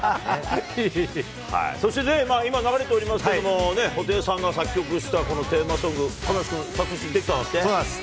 そしてね、今、流れておりますけれども、布袋さんが作曲したこのテーマソング、亀梨君、そうなんです。